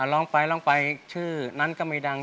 ร้องไปร้องไปชื่อนั้นก็ไม่ดัง